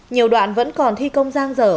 nhiều đoạn vẫn còn thi công giang dở